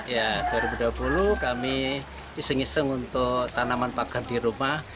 ya dua ribu dua puluh kami iseng iseng untuk tanaman pagar di rumah